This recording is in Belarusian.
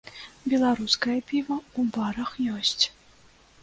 Беларускае піва ў барах ёсць.